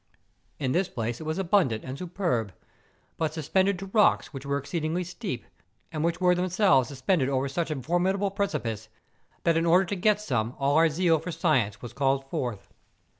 In this place it was abundant and superb, but suspended to rocks which were exceedingly steep, and which were themselves suspended over such a formidable precipice, that in order to get some all our zeal for science was called forth.